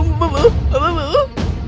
alamak alamak alamak